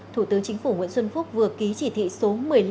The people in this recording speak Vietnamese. thủ tướng chính phủ nguyễn xuân phúc vừa ký chỉ thị số một mươi năm